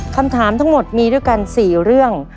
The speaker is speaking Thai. คำถามทั้งหมดมีด้วยกัน๔เรื่อง